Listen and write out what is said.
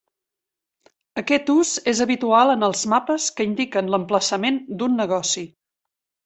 Aquest ús és habitual en els mapes que indiquen l'emplaçament d'un negoci.